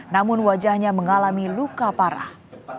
namun wajahnya mengalami luka parah